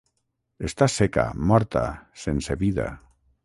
Està seca, morta, sense vida.